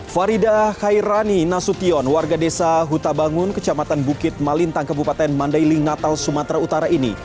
farida khairani nasution warga desa hutabangun kecamatan bukit malintang kabupaten mandailing natal sumatera utara ini